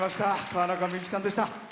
川中美幸さんでした。